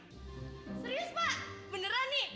serius pak beneran nih